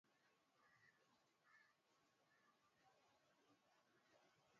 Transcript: benki kuu inatakiwi kuwa na hifadhi ya sarafu ya dola